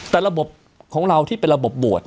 แต่ระบบของเราที่เป็นระบบบวช